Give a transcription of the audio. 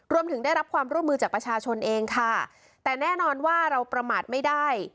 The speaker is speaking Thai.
รวมถึงได้รับความร่วมมือจากประชาชนเองค่ะแต่แน่นอนว่าเราประมาทไม่ได้